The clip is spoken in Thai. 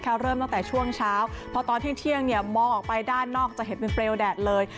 เริ่มตั้งแต่ช่วงเช้าพอตอนเที่ยงมองออกไปด้านนอกจะเห็นเป็นเปลวแดดเลย